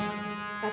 saya juga pas pak